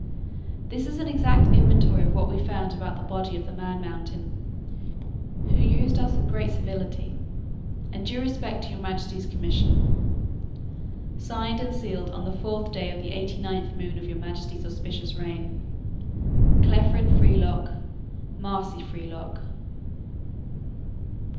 "This is an exact inventory of what we found about the body of the man mountain, who used us with great civility, and due respect to your majesty's commission. Signed and sealed on the fourth day of the eighty ninth moon of your majesty's auspicious reign. Clefrin Frelock, Marsi Frelock."